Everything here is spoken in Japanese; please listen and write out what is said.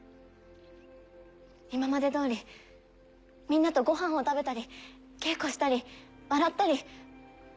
今まで通りみんなとごはんを食べたり稽古をしたり笑ったり。